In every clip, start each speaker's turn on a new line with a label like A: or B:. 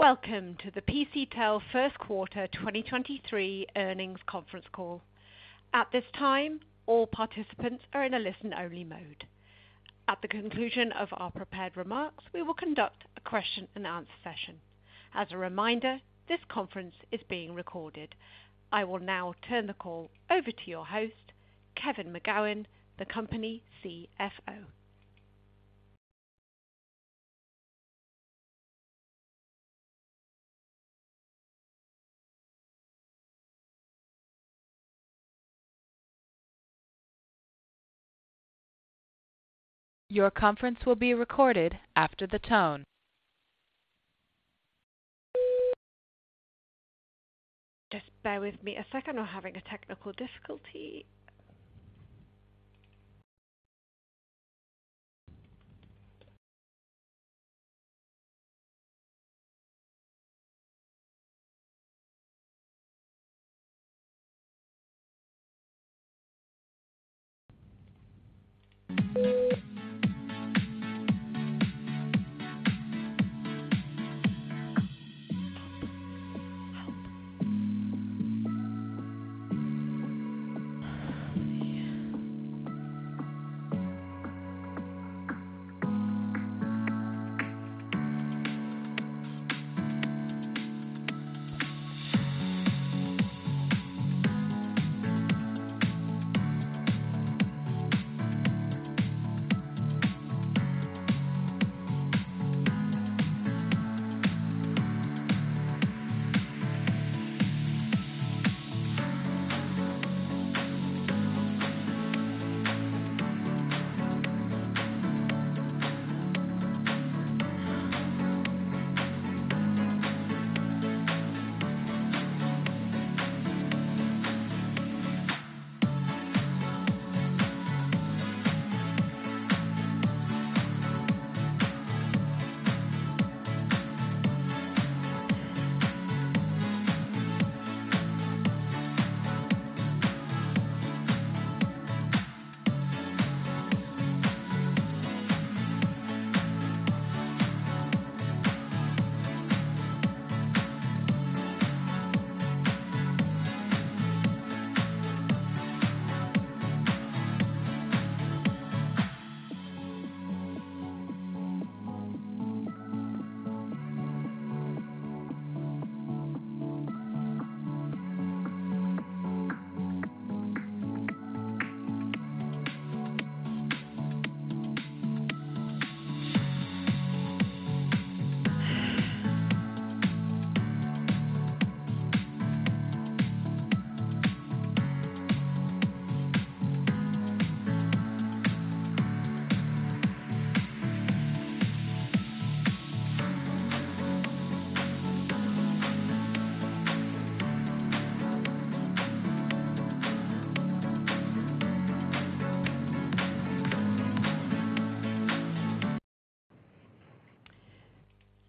A: Welcome to the PCTEL Q1 2023 Earnings Conference Call. At this time, all participants are in a listen-only mode. At the conclusion of our prepared remarks, we will conduct a question and answer session. As a reminder, this conference is being recorded. I will now turn the call over to your host, Kevin McGowan, the company CFO. Your conference will be recorded after the tone. Just bear with me a second. We're having a technical difficulty.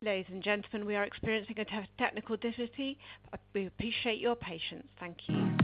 A: Ladies and gentlemen, we are experiencing a technical difficulty. We appreciate your patience. Thank you.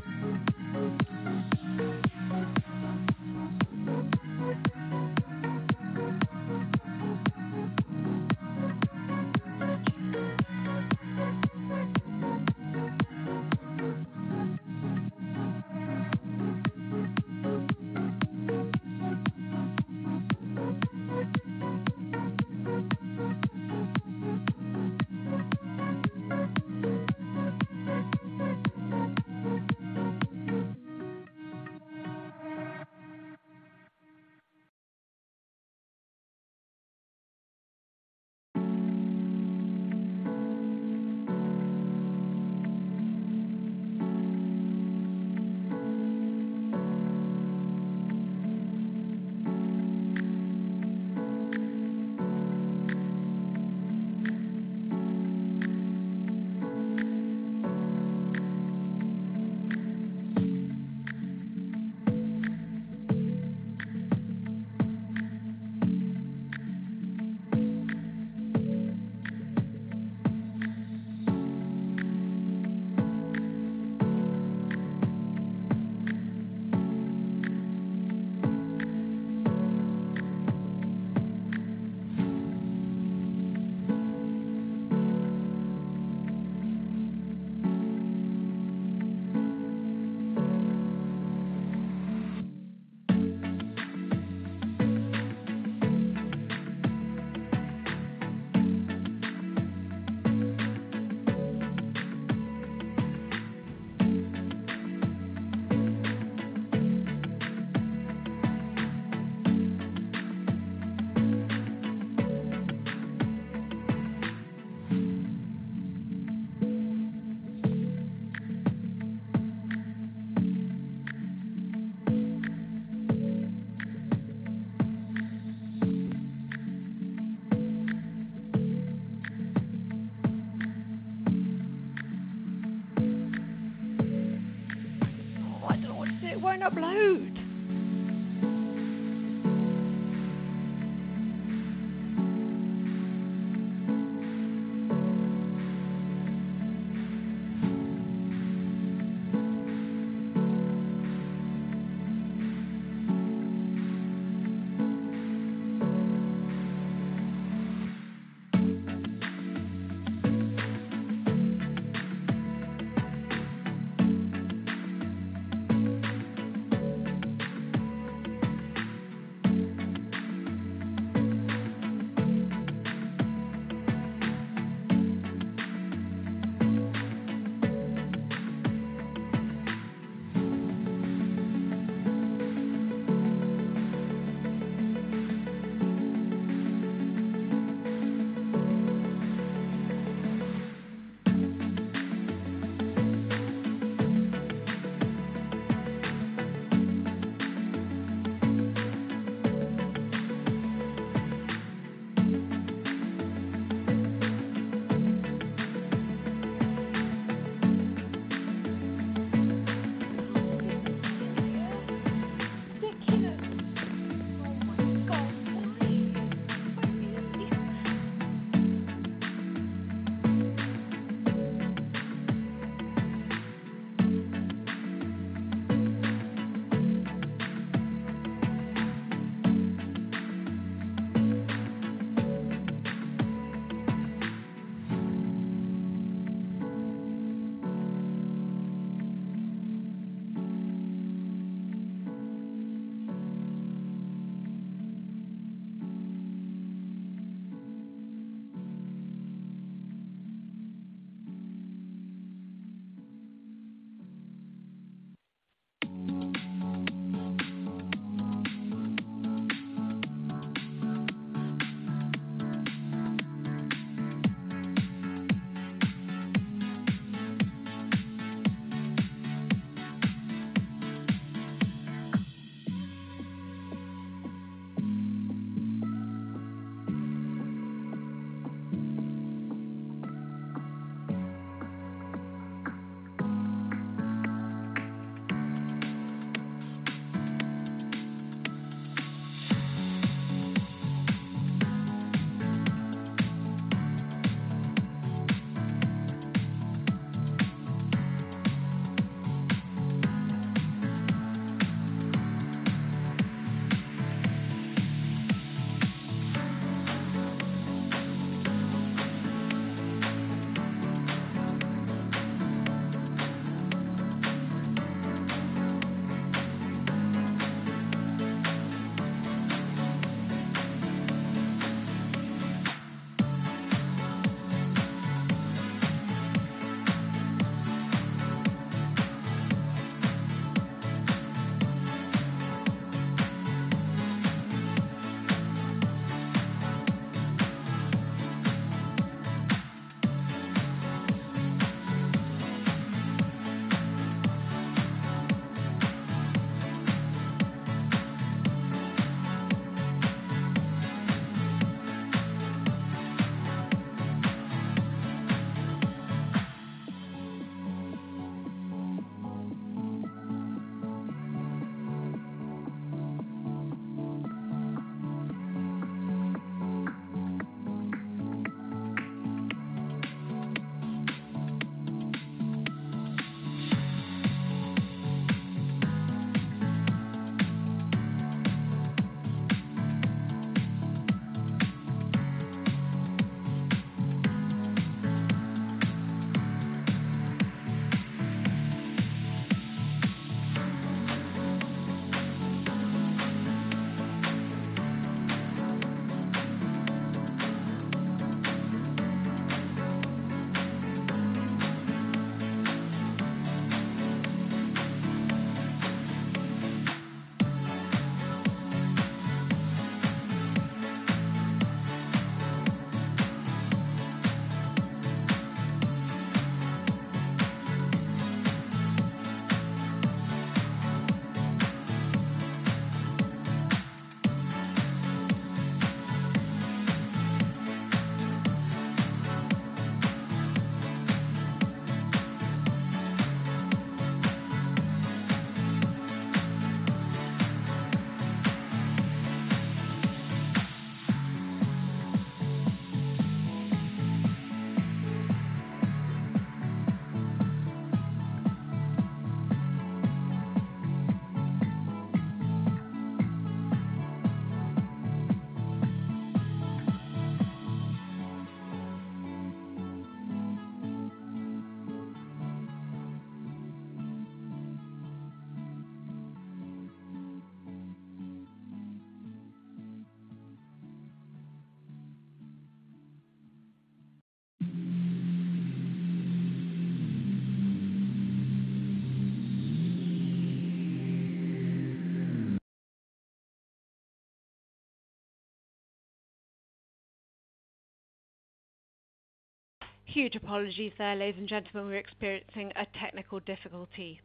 A: I don't want to see it won't upload. Huge apologies there, ladies and gentlemen. We're experiencing a technical difficulty.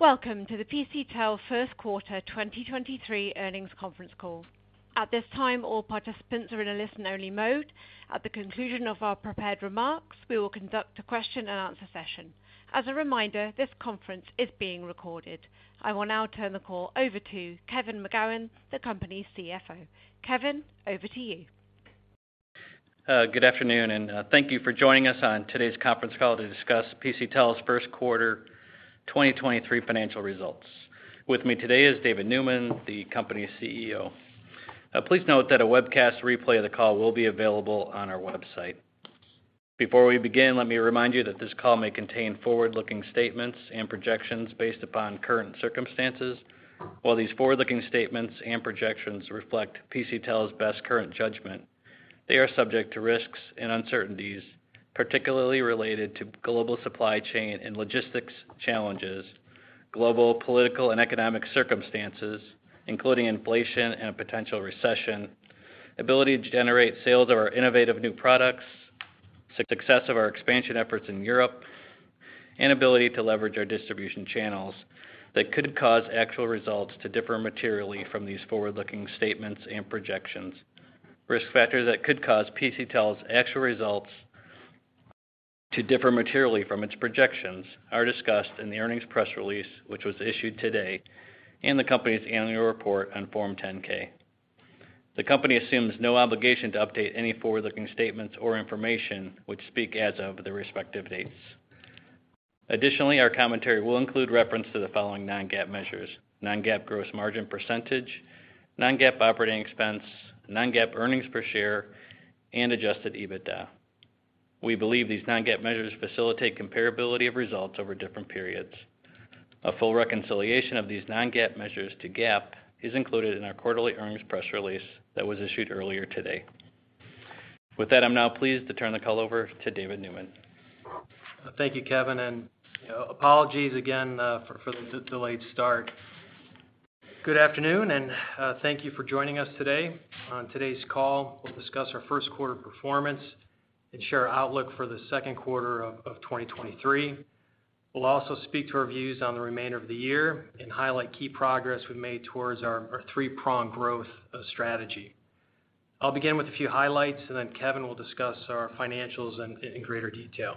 A: Welcome to the PCTEL Q1 2023 earnings conference call. At this time, all participants are in a listen-only mode. At the conclusion of our prepared remarks, we will conduct a question and answer session. As a reminder, this conference is being recorded. I will now turn the call over to Kevin McGowan, the company's CFO. Kevin, over to you.
B: Good afternoon and thank you for joining us on today's conference call to discuss PCTEL's Q1 2023 financial results. With me today is David Neumann, the company's CEO. Please note that a webcast replay of the call will be available on our website. Before we begin, let me remind you that this call may contain forward-looking statements and projections based upon current circumstances. While these forward-looking statements and projections reflect PCTEL's best current judgment, they are subject to risks and uncertainties, particularly related to global supply chain and logistics challenges, global political and economic circumstances, including inflation and potential recession, ability to generate sales of our innovative new products, success of our expansion efforts in Europe, and ability to leverage our distribution channels that could cause actual results to differ materially from these forward-looking statements and projections. Risk factors that could cause PCTEL's actual results to differ materially from its projections are discussed in the earnings press release, which was issued today, and the company's annual report on Form 10-K. The company assumes no obligation to update any forward-looking statements or information which speak as of the respective dates. Additionally, our commentary will include reference to the following non-GAAP measures: non-GAAP gross margin percentage, non-GAAP operating expense, non-GAAP earnings per share, and adjusted EBITDA. We believe these non-GAAP measures facilitate comparability of results over different periods. A full reconciliation of these non-GAAP measures to GAAP is included in our quarterly earnings press release that was issued earlier today. With that, I'm now pleased to turn the call over to David Neumann.
C: Thank you, Kevin. You know, apologies again for the delayed start. Good afternoon and thank you for joining us today. On today's call, we'll discuss our Q1 performance and share our outlook for the Q2 of 2023. We'll also speak to our views on the remainder of the year and highlight key progress we've made towards our three-pronged growth strategy. I'll begin with a few highlights, and then Kevin will discuss our financials in greater detail.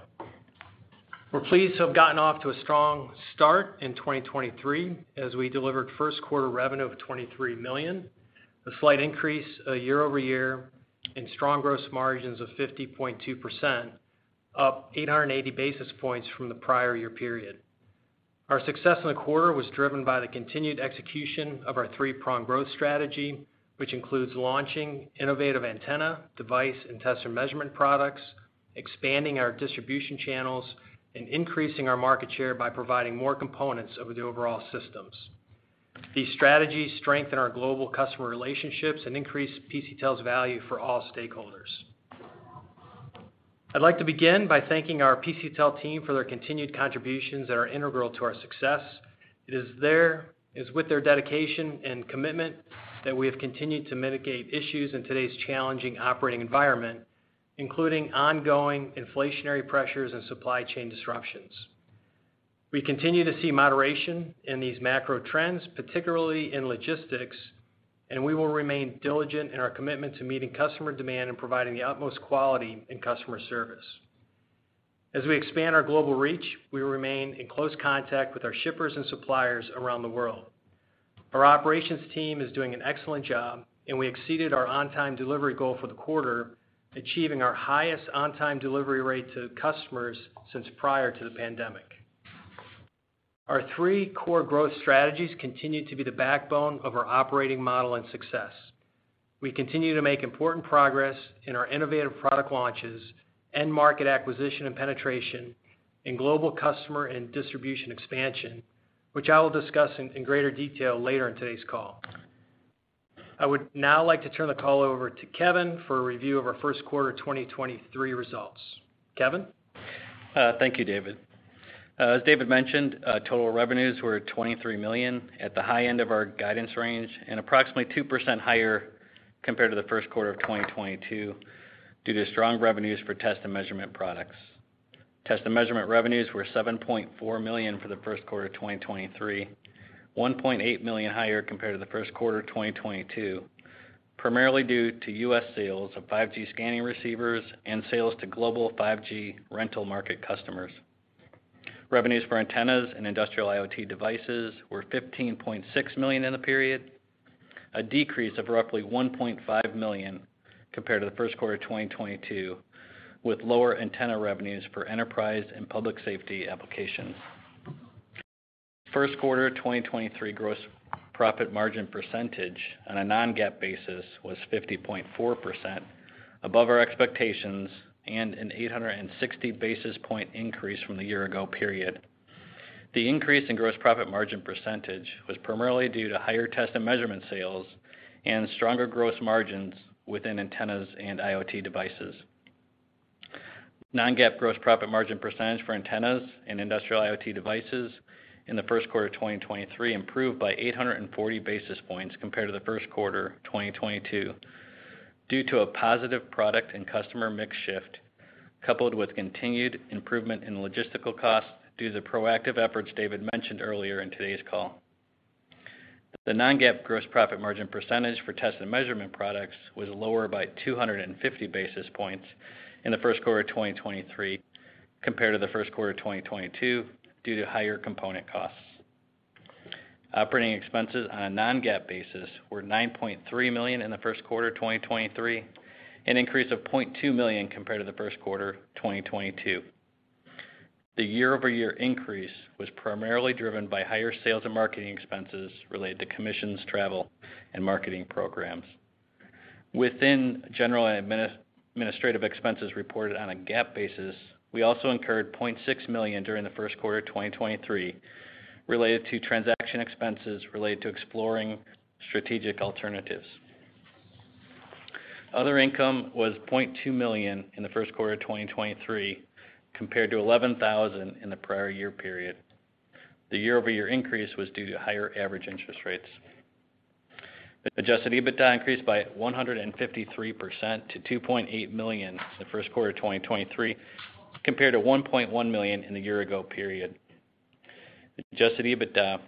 C: We're pleased to have gotten off to a strong start in 2023 as we delivered Q1 revenue of $23 million, a slight increase year-over-year in strong gross margins of 50.2%, up 880 basis points from the prior year period. Our success in the quarter was driven by the continued execution of our three-pronged growth strategy, which includes launching innovative antenna, device, and test and measurement products, expanding our distribution channels, and increasing our market share by providing more components over the overall systems. These strategies strengthen our global customer relationships and increase PCTEL's value for all stakeholders. I'd like to begin by thanking our PCTEL team for their continued contributions that are integral to our success. It is with their dedication and commitment that we have continued to mitigate issues in today's challenging operating environment, including ongoing inflationary pressures and supply chain disruptions. We continue to see moderation in these macro trends, particularly in logistics, and we will remain diligent in our commitment to meeting customer demand and providing the utmost quality in customer service. As we expand our global reach, we remain in close contact with our shippers and suppliers around the world. Our operations team is doing an excellent job, and we exceeded our on-time delivery goal for the quarter, achieving our highest on-time delivery rate to customers since prior to the pandemic. Our three core growth strategies continue to be the backbone of our operating model and success. We continue to make important progress in our innovative product launches, end market acquisition and penetration, and global customer and distribution expansion, which I will discuss in greater detail later in today's call. I would now like to turn the call over to Kevin for a review of our Q1 2023 results. Kevin?
B: Thank you, David. As David mentioned, total revenues were $23 million, at the high end of our guidance range and approximately 2% higher compared to the Q1 of 2022 due to strong revenues for test and measurement products. Test and measurement revenues were $7.4 million for the Q1 of 2023, $1.8 million higher compared to the Q1 of 2022, primarily due to U.S. sales of 5G scanning receivers and sales to global 5G rental market customers. Revenues for antennas and industrial IoT devices were $15.6 million in the period, a decrease of roughly $1.5 million compared to the Q1 of 2022, with lower antenna revenues for enterprise and public safety applications. Q1 of 2023 gross profit margin percentage on a non-GAAP basis was 50.4%, above our expectations and an 860 basis point increase from the year ago period. The increase in gross profit margin percentage was primarily due to higher test and measurement sales and stronger gross margins within antennas and IoT devices. Non-GAAP gross profit margin percentage for antennas and industrial IoT devices in the Q1 of 2023 improved by 840 basis points compared to the Q1 of 2022 due to a positive product and customer mix shift, coupled with continued improvement in logistical costs due to the proactive efforts David mentioned earlier in today's call. The non-GAAP gross profit margin percentage for test and measurement products was lower by 250 basis points in the Q1 of 2023 compared to the Q1 of 2022 due to higher component costs. Operating expenses on a non-GAAP basis were $9.3 million in the Q1 2023, an increase of $0.2 million compared to the Q1 2022. The year-over-year increase was primarily driven by higher sales and marketing expenses related to commissions, travel, and marketing programs. Within general and administrative expenses reported on a GAAP basis, we also incurred $0.6 million during the Q1 2023 related to transaction expenses related to exploring strategic alternatives. Other income was $0.2 million in the Q1 2023, compared to $11,000 in the prior year period. The year-over-year increase was due to higher average interest rates. The adjusted EBITDA increased by 153% to $2.8 million in the Q1 2023, compared to $1.1 million in the year ago period. Adjusted EBITDA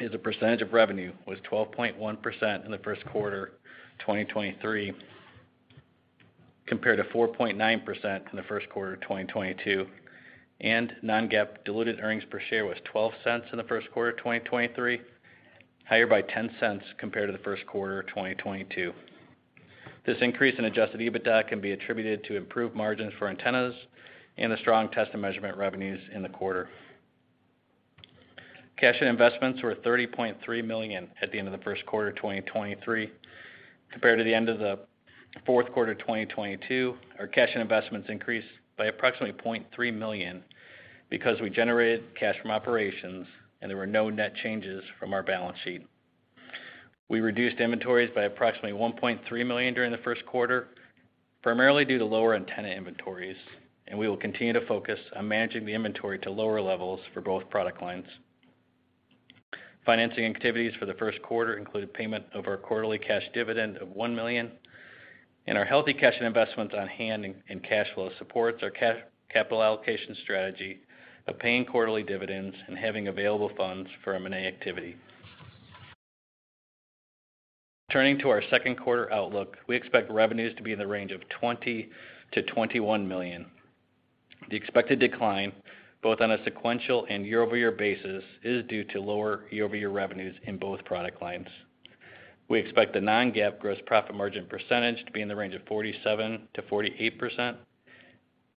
B: as a percentage of revenue was 12.1% in the Q1 2023, compared to 4.9% in the Q1 2022. Non-GAAP diluted earnings per share was $0.12 in the Q1 2023, higher by $0.10 compared to the Q1 2022. This increase in adjusted EBITDA can be attributed to improved margins for antennas and the strong test and measurement revenues in the quarter. Cash and investments were $30.3 million at the end of the Q1 2023 compared to the end of the Q4 2022. Our cash and investments increased by approximately $0.3 million because we generated cash from operations, and there were no net changes from our balance sheet. We reduced inventories by approximately $1.3 million during the Q1, primarily due to lower antenna inventories, and we will continue to focus on managing the inventory to lower levels for both product lines. Financing activities for the Q1 include payment of our quarterly cash dividend of $1 million, and our healthy cash and investments on hand in cash flow supports our capital allocation strategy of paying quarterly dividends and having available funds for M&A activity. Turning to our Q2 outlook, we expect revenues to be in the range of $20 million-$21 million. The expected decline, both on a sequential and year-over-year basis, is due to lower year-over-year revenues in both product lines. We expect the non-GAAP gross profit margin % to be in the range of 47%-48%,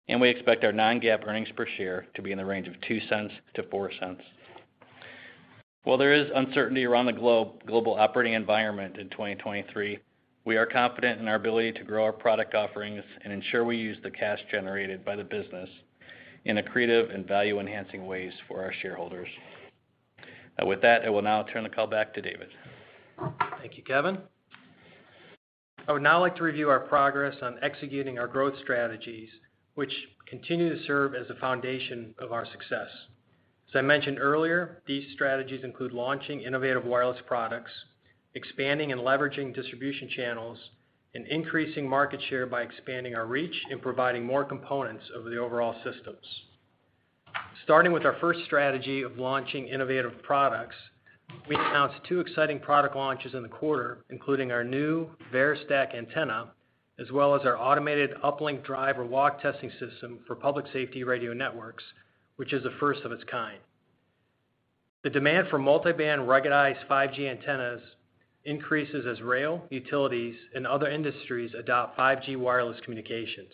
B: and we expect our non-GAAP earnings per share to be in the range of $0.02-$0.04. While there is uncertainty around the global operating environment in 2023, we are confident in our ability to grow our product offerings and ensure we use the cash generated by the business in accretive and value-enhancing ways for our shareholders. Now with that, I will now turn the call back to David.
C: Thank you, Kevin. I would now like to review our progress on executing our growth strategies, which continue to serve as the foundation of our success. As I mentioned earlier, these strategies include launching innovative wireless products, expanding and leveraging distribution channels, and increasing market share by expanding our reach and providing more components of the overall systems. Starting with our first strategy of launching innovative products, we announced two exciting product launches in the quarter, including our new VerStack antenna, as well as our automated uplink drive or walk testing system for public safety radio networks, which is the first of its kind. The demand for multiband ruggedized 5G antennas increases as rail, utilities, and other industries adopt 5G wireless communications.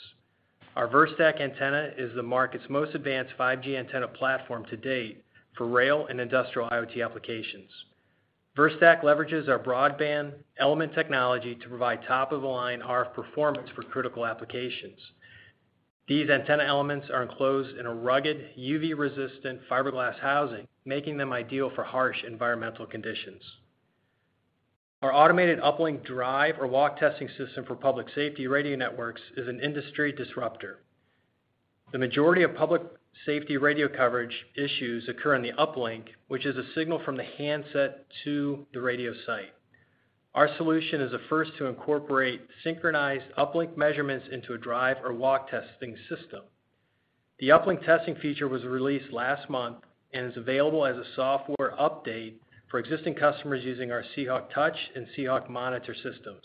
C: Our VerStack antenna is the market's most advanced 5G antenna platform to date for rail and industrial IoT applications. VerStack leverages our broadband element technology to provide top-of-the-line RF performance for critical applications. These antenna elements are enclosed in a rugged, UV-resistant fiberglass housing, making them ideal for harsh environmental conditions. Our automated uplink drive or walk testing system for public safety radio networks is an industry disruptor. The majority of public safety radio coverage issues occur in the uplink, which is a signal from the handset to the radio site. Our solution is the first to incorporate synchronized uplink measurements into a drive or walk testing system. The uplink testing feature was released last month and is available as a software update for existing customers using our SeeHawk Touch and SeeHawk Monitor systems.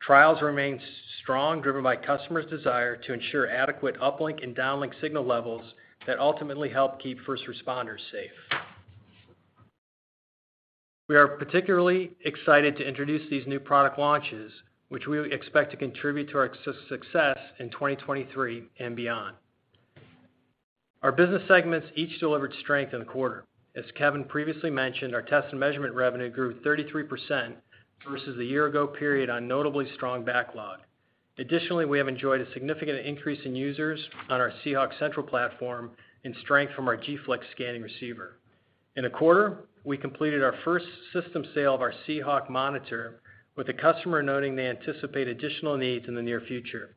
C: Trials remain strong, driven by customers' desire to ensure adequate uplink and downlink signal levels that ultimately help keep first responders safe. We are particularly excited to introduce these new product launches, which we expect to contribute to our success in 2023 and beyond. Our business segments each delivered strength in the quarter. As Kevin previously mentioned, our test and measurement revenue grew 33% versus the year ago period on notably strong backlog. Additionally, we have enjoyed a significant increase in users on our SeeHawk Central platform and strength from our Gflex scanning receiver. In a quarter, we completed our first system sale of our SeeHawk Monitor, with the customer noting they anticipate additional needs in the near future.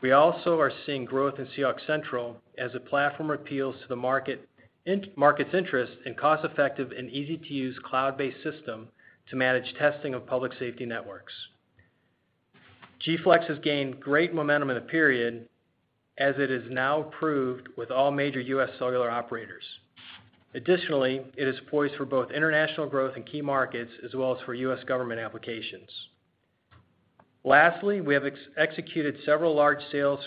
C: We also are seeing growth in SeeHawk Central as the platform appeals to the market's interest in cost-effective and easy-to-use cloud-based system to manage testing of public safety networks. Gflex has gained great momentum in the period as it is now approved with all major U.S. cellular operators. Additionally, it is poised for both international growth in key markets as well as for US government applications. Lastly, we have executed several large sales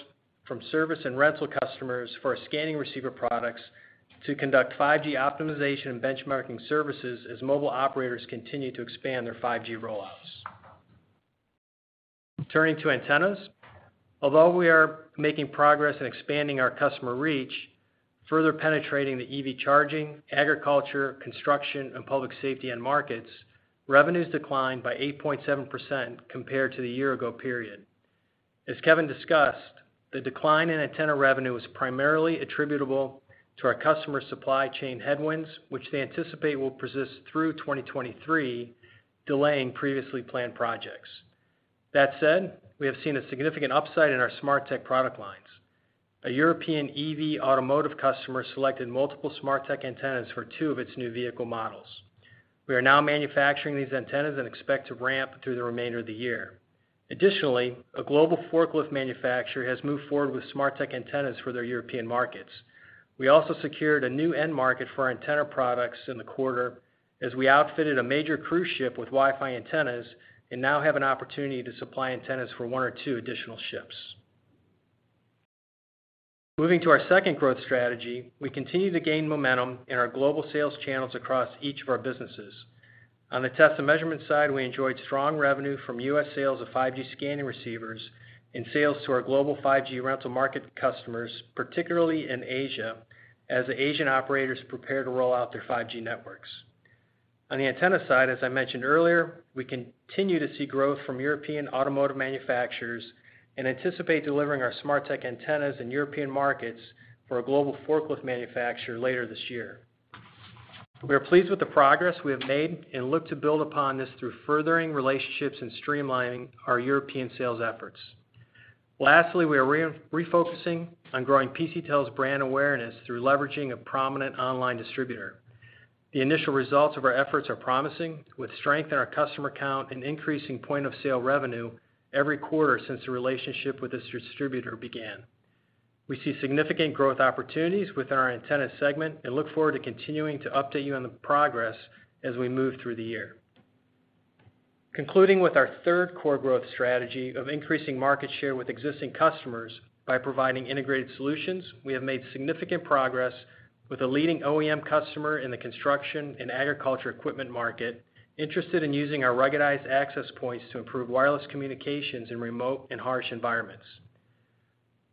C: from service and rental customers for our scanning receiver products to conduct 5G optimization and benchmarking services as mobile operators continue to expand their 5G rollouts. Turning to antennas. Although we are making progress in expanding our customer reach, further penetrating the EV charging, agriculture, construction, and public safety end markets, revenues declined by 8.7% compared to the year-ago period. As Kevin discussed, the decline in antenna revenue was primarily attributable to our customer supply chain headwinds, which they anticipate will persist through 2023, delaying previously planned projects. That said, we have seen a significant upside in our Smarteq product lines. A European EV automotive customer selected multiple Smarteq antennas for two of its new vehicle models. We are now manufacturing these antennas and expect to ramp through the remainder of the year. Additionally, a global forklift manufacturer has moved forward with Smarteq antennas for their European markets. We also secured a new end market for our antenna products in the quarter as we outfitted a major cruise ship with Wi-Fi antennas and now have an opportunity to supply antennas for one or two additional ships. Moving to our second growth strategy, we continue to gain momentum in our global sales channels across each of our businesses. On the test and measurement side, we enjoyed strong revenue from U.S. sales of 5G scanning receivers and sales to our global 5G rental market customers, particularly in Asia, as the Asian operators prepare to roll out their 5G networks. On the antenna side, as I mentioned earlier, we continue to see growth from European automotive manufacturers and anticipate delivering our Smarteq antennas in European markets for a global forklift manufacturer later this year. We are pleased with the progress we have made and look to build upon this through furthering relationships and streamlining our European sales efforts. Lastly, we are re-refocusing on growing PCTEL's brand awareness through leveraging a prominent online distributor. The initial results of our efforts are promising, with strength in our customer count and increasing point-of-sale revenue every quarter since the relationship with this distributor began. We see significant growth opportunities within our antenna segment and look forward to continuing to update you on the progress as we move through the year. Concluding with our third core growth strategy of increasing market share with existing customers by providing integrated solutions, we have made significant progress with a leading OEM customer in the construction and agriculture equipment market interested in using our ruggedized access points to improve wireless communications in remote and harsh environments.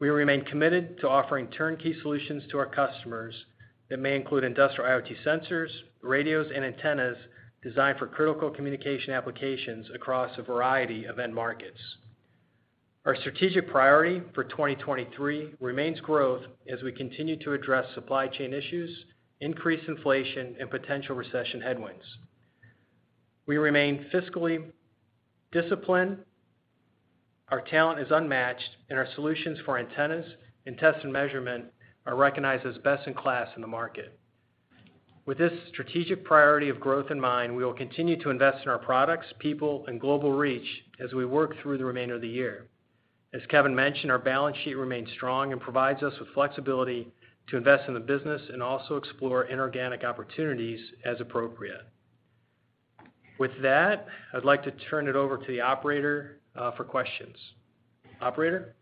C: We remain committed to offering turnkey solutions to our customers that may include industrial IoT sensors, radios, and antennas designed for critical communication applications across a variety of end markets. Our strategic priority for 2023 remains growth as we continue to address supply chain issues, increased inflation, and potential recession headwinds. We remain fiscally disciplined, our talent is unmatched, and our solutions for antennas and test and measurement are recognized as best in class in the market. With this strategic priority of growth in mind, we will continue to invest in our products, people, and global reach as we work through the remainder of the year. As Kevin mentioned, our balance sheet remains strong and provides us with flexibility to invest in the business and also explore inorganic opportunities as appropriate. With that, I'd like to turn it over to the operator for questions. Operator?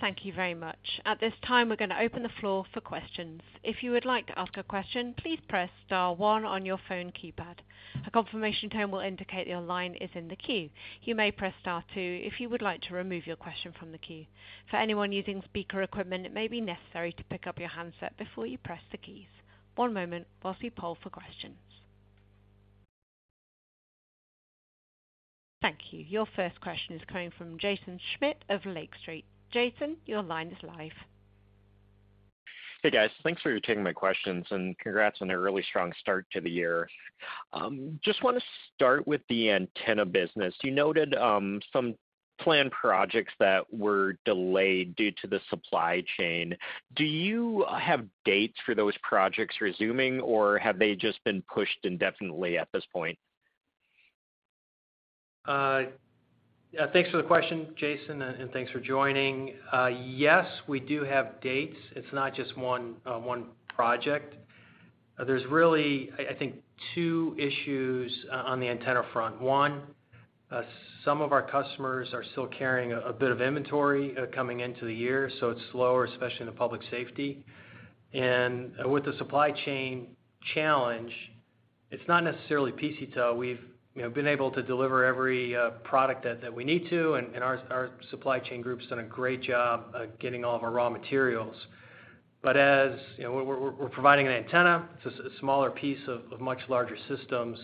A: Thank you very much. At this time, we're gonna open the floor for questions. If you would like to ask a question, please press star one on your phone keypad. A confirmation tone will indicate your line is in the queue. You may press star two if you would like to remove your question from the queue. For anyone using speaker equipment, it may be necessary to pick up your handset before you press the keys. One moment while we poll for questions. Thank you. Your first question is coming from Jaeson Schmidt of Lake Street. Jaeson, your line is live.
D: Hey, guys. Thanks for taking my questions. Congrats on a really strong start to the year. Just wanna start with the antenna business. You noted some planned projects that were delayed due to the supply chain. Do you have dates for those projects resuming, or have they just been pushed indefinitely at this point?
C: Thanks for the question, Jaeson, and thanks for joining. Yes, we do have dates. It's not just one project. There's really I think two issues on the antenna front. One, some of our customers are still carrying a bit of inventory coming into the year, so it's slower, especially in the public safety. With the supply chain challenge, it's not necessarily PCTEL. We've, you know, been able to deliver every product that we need to, and our supply chain group's done a great job of getting all of our raw materials. As, you know, we're providing an antenna. It's a smaller piece of much larger systems.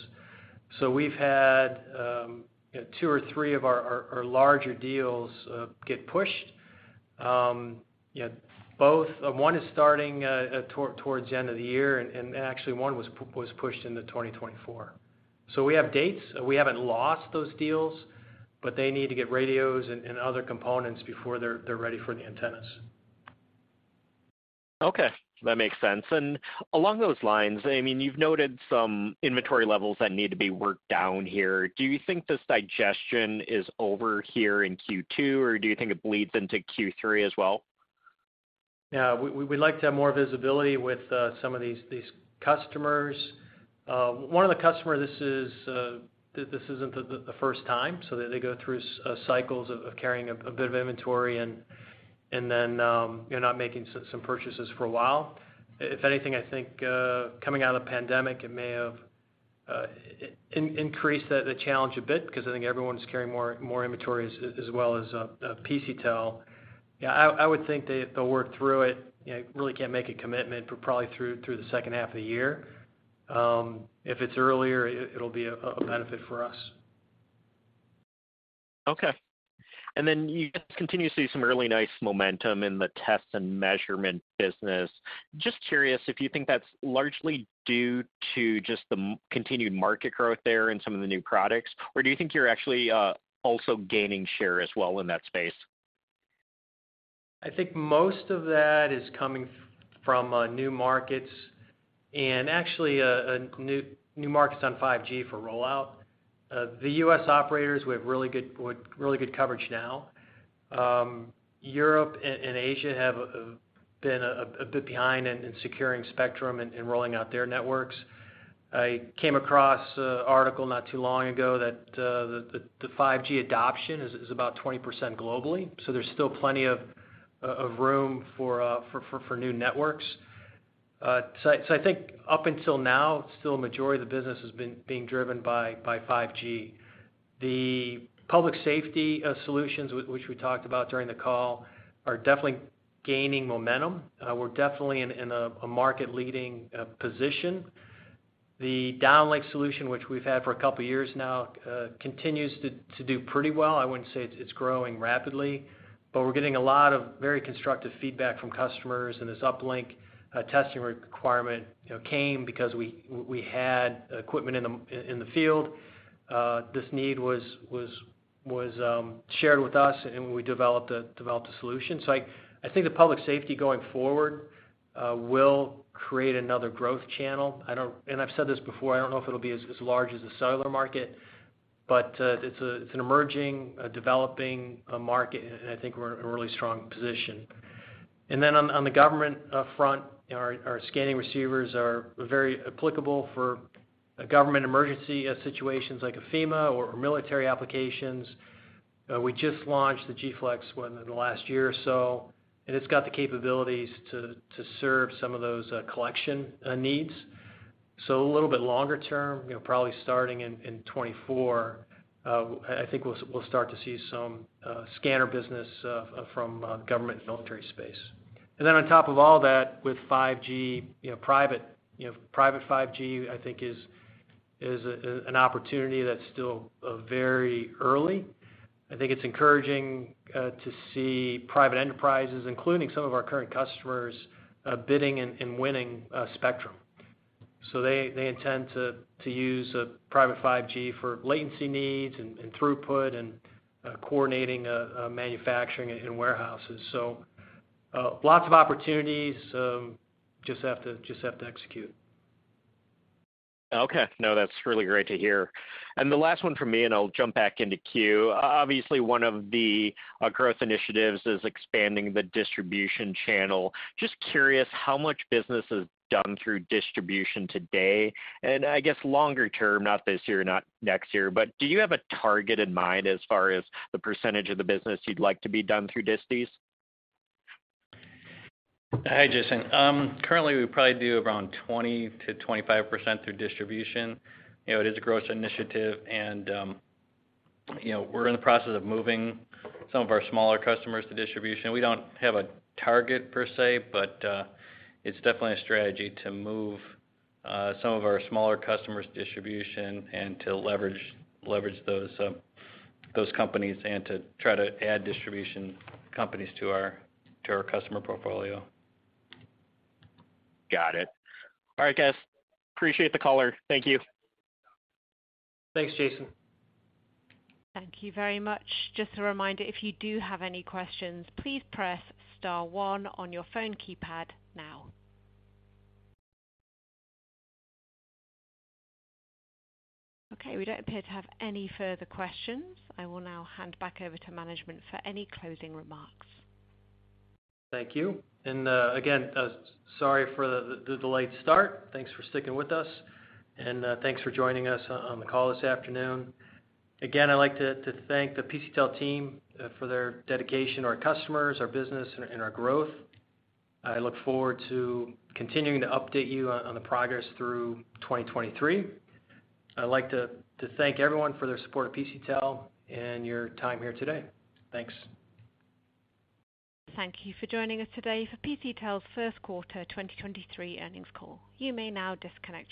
C: We've had, you know, two or three of our larger deals get pushed. You know, One is starting, towards the end of the year, and actually, one was pushed into 2024. We have dates. We haven't lost those deals, but they need to get radios and other components before they're ready for the antennas.
D: Okay. That makes sense. Along those lines, I mean, you've noted some inventory levels that need to be worked down here. Do you think this digestion is over here in Q2, or do you think it bleeds into Q3 as well?
C: We'd like to have more visibility with some of these customers. One of the customer this isn't the first time. They go through cycles of carrying a bit of inventory and then you're not making some purchases for a while. If anything, I think coming out of the pandemic, it may have increased the challenge a bit because I think everyone's carrying more inventory as well as PCTEL. I would think they'll work through it. You know, really can't make a commitment, but probably through the second half of the year. If it's earlier, it'll be a benefit for us.
D: Okay. You just continue to see some really nice momentum in the test and measurement business. Just curious if you think that's largely due to just the continued market growth there in some of the new products, or do you think you're actually also gaining share as well in that space?
C: I think most of that is coming from new markets and actually new markets on 5G for rollout. The U.S. operators with really good coverage now. Europe and Asia have been a bit behind in securing spectrum and rolling out their networks. I came across a article not too long ago that the 5G adoption is about 20% globally. There's still plenty of room for new networks. I think up until now, still a majority of the business has been driven by 5G. The public safety solutions which we talked about during the call are definitely gaining momentum. We're definitely in a market-leading position. The downlink solution, which we've had for a couple of years now, continues to do pretty well. I wouldn't say it's growing rapidly, but we're getting a lot of very constructive feedback from customers. This uplink testing requirement, you know, came because we had equipment in the field. This need was shared with us, and when we developed a solution. I think the public safety going forward will create another growth channel. I've said this before, I don't know if it'll be as large as the cellular market, but it's an emerging, developing a market, and I think we're in a really strong position. On the government front, our scanning receivers are very applicable for a government emergency situations like a FEMA or military applications. We just launched the Gflex one in the last year or so, and it's got the capabilities to serve some of those collection needs. A little bit longer term, you know, probably starting in 2024, I think we'll start to see some scanner business from government and military space. On top of all that, with 5G, you know, private 5G, I think is an opportunity that's still very early. I think it's encouraging to see private enterprises, including some of our current customers, bidding and winning spectrum. They intend to use private 5G for latency needs and throughput and coordinating manufacturing and warehouses. Lots of opportunities. Just have to execute.
D: Okay. No, that's really great to hear. The last one from me, and I'll jump back into queue. Obviously, one of the growth initiatives is expanding the distribution channel. Just curious how much business is done through distribution today. I guess longer term, not this year, not next year, but do you have a target in mind as far as the percentage of the business you'd like to be done through distis?
C: Hi, Jaeson. Currently, we probably do around 20%-25% through distribution. You know, it is a growth initiative and, you know, we're in the process of moving some of our smaller customers to distribution. We don't have a target per se, but it's definitely a strategy to move some of our smaller customers distribution and to leverage those companies and to try to add distribution companies to our customer portfolio.
D: Got it. All right, guys. Appreciate the caller. Thank you.
C: Thanks, Jaeson.
A: Thank you very much. Just a reminder, if you do have any questions, please press star one on your phone keypad now. Okay, we don't appear to have any further questions. I will now hand back over to management for any closing remarks.
C: Thank you. Again, sorry for the delayed start. Thanks for sticking with us, thanks for joining us on the call this afternoon. Again, I'd like to thank the PCTEL team for their dedication to our customers, our business and our growth. I look forward to continuing to update you on the progress through 2023. I'd like to thank everyone for their support of PCTEL and your time here today. Thanks.
A: Thank you for joining us today for PCTEL's Q1 2023 earnings call. You may now disconnect.